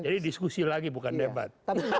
jadi diskusi lagi bukan debat